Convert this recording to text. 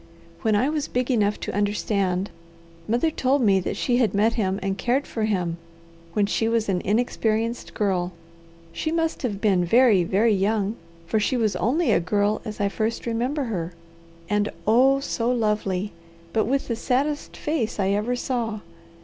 When I was big enough to understand, mother told me that she had met him and cared for him when she was an inexperienced girl. She must have been very, very young, for she was only a girl as I first remember her, and oh! so lovely, but with the saddest face I ever saw.